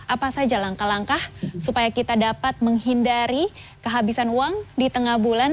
apa saja langkah langkah supaya kita dapat menghindari kehabisan uang di tengah bulan